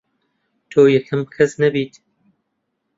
تۆ یەکەمین کەس نەبیت